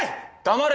黙れ！